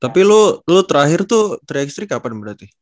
tapi lu lo terakhir tuh tiga x tiga kapan berarti